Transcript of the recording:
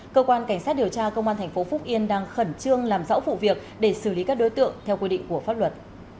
cơ quan cảnh sát điều tra công an tp phúc yên đang khẩn trương làm rõ vụ việc để xử lý các đối tượng theo quy định của pháp luật